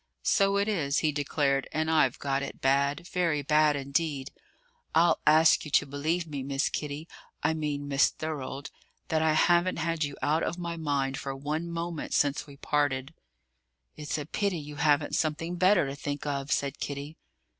"So it is," he declared, "and I've got it bad very bad indeed. I'll ask you to believe me, Miss Kitty I mean Miss Thorold that I haven't had you out of my mind for one moment since we parted." "It's a pity you haven't something better to think of," said Kitty.